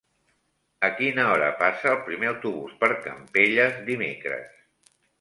A quina hora passa el primer autobús per Campelles dimecres?